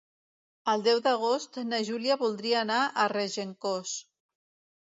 El deu d'agost na Júlia voldria anar a Regencós.